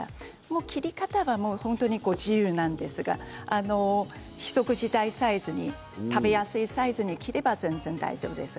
切り方は、自由なんですが一口大サイズに食べやすいサイズに切れば全然大丈夫です。